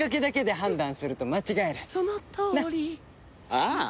ああ！